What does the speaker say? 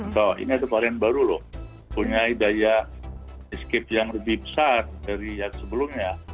so ini ada varian baru loh punya daya escape yang lebih besar dari yang sebelumnya